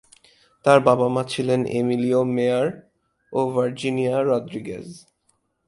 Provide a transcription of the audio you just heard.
তার বাবা-মা ছিলেন এমিলিও মেয়ার ও ভার্জিনিয়া রদ্রিগেজ।